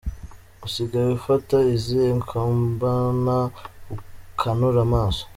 usigaye ufata izihe kombona ukanura amaso???? .